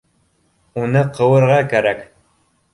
Уны ҡыуырға кәрәк